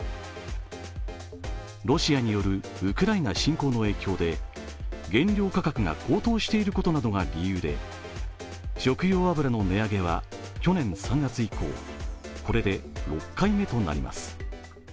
ロシアによるウクライナ侵攻の影響で原料価格が高騰していることなどが理由で食用油の値上げは去年３月以降これで６回目となります。